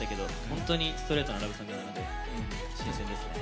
本当にストレートなラブソングなので新鮮ですね。